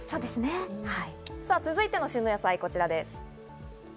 続いての旬の野菜はこちらです。